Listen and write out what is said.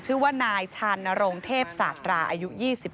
ชื่อว่านายชานรงเทพศาสตราอายุ๒๓